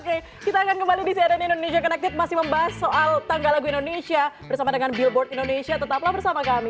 oke kita akan kembali di cnn indonesia connected masih membahas soal tanggal lagu indonesia bersama dengan billboard indonesia tetaplah bersama kami